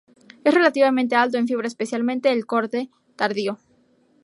Es relativamente alto en fibra, especialmente al corte tardío.